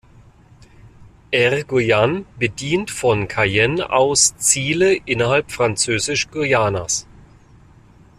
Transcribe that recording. Air Guyane bedient von Cayenne aus Ziele innerhalb Französisch-Guayanas.